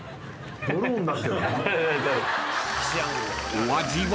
［お味は？］